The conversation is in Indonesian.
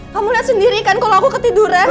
kamu lihat sendiri kan kalau aku ketiduran